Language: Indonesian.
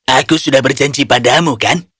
aku sudah berjanji padamu kan